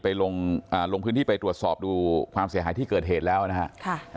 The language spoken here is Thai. ลงลงพื้นที่ไปตรวจสอบดูความเสียหายที่เกิดเหตุแล้วนะฮะ